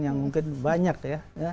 yang mungkin banyak ya